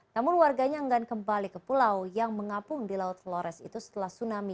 namun warganya enggan kembali ke pulau yang mengapung di laut flores itu setelah tsunami